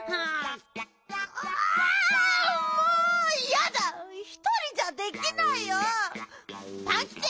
あもうやだ！ひとりじゃできないよ！パンキチ！